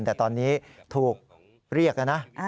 แต่ตอนนี้ถูกเรียกแล้วนะ